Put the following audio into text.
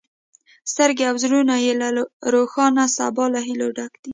سترګې او زړونه یې له روښانه سبا له هیلو ډک دي.